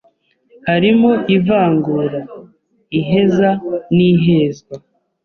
harimo ivangura, iheza n’ihezwa